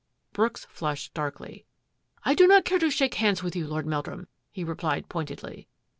Brooks flushed darkly. " I do not care to shake hands with you. Lord Meldrum," he replied point edly.